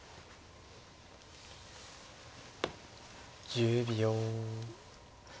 １０秒。